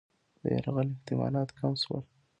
د یرغل احتمالات کم شول.